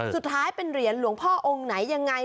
สุดท้ายเป็นเหรียญหลวงพ่อองค์ไหนยังไง